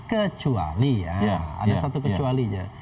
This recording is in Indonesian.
kecuali ya ada satu kecualinya